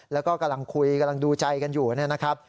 แล้วก็กำลังคุยกำลังดูใจกันอยู่นะครับ